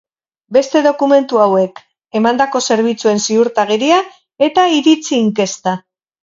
Bete dokumentu hauek: emandako zerbitzuen ziurtagiria eta iritzi-inkesta.